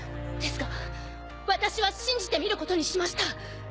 ですが私は信じてみることにしました。